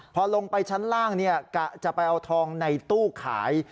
พอลงไปชั้นล่างกะจะไปเอาทองในตู้ขาย